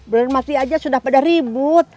udah mati aja sudah pada ribut